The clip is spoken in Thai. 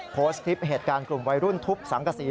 โพสต์คลิปเหตุการณ์กลุ่มวัยรุ่นทุบสังกษี